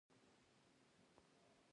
هڅه وکړئ د هر شي په اړه یو څه زده کړئ.